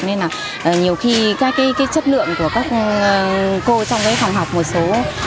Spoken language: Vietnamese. nên là nhiều khi các cái chất lượng của các cô trong cái phòng học một số